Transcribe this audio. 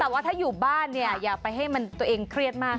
แต่ว่าถ้าอยู่บ้านเนี่ยอย่าไปให้มันตัวเองเครียดมาก